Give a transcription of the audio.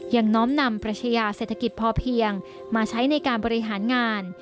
น้อมนำปรัชญาเศรษฐกิจพอเพียงมาใช้ในการบริหารงาน